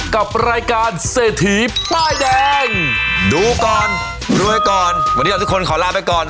กับรายการเศรษฐีป้ายแดงดูก่อนรวยก่อนวันนี้เราทุกคนขอลาไปก่อน